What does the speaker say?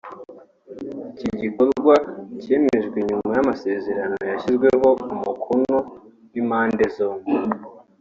Iki gikorwa cyemejwe nyuma y’amasezerano yashyizweho umukono n’impande zombi